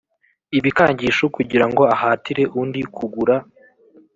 ibikangisho kugira ngo ahatire undi kugura